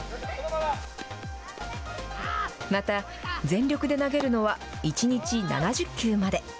また、全力で投げるのは１日７０球まで。